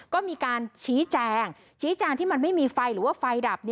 ก็มีการชี้แจงชี้แจงที่มันไม่มีไฟหรือว่าไฟดับ